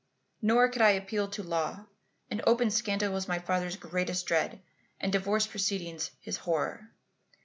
Nor could I appeal to law. An open scandal was my father's greatest dread and divorce proceedings his horror.